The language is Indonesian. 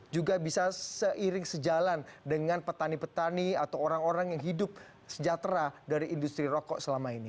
juga bisa seiring sejalan dengan petani petani atau orang orang yang hidup sejahtera dari industri rokok selama ini